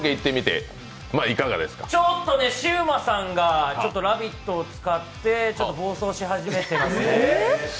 ちょっとシウマさんが「ラヴィット！」を使って暴走し始めてますね。